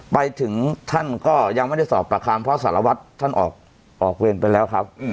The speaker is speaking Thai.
ไปถึงท่านก็ยังไม่ได้สอบประคัมเพราะสารวัตรท่านออกเวรไปแล้วครับ